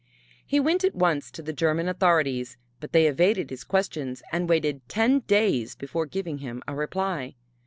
He went at once to the German authorities, but they evaded his questions and waited ten days before giving him a reply.